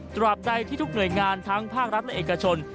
ตราบใดที่ทุกหน่วยงานทั้งภาครัฐและเอกชน